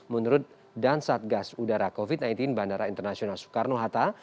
menurut dan satgas udara covid sembilan belas bandara internasional soekarno hatta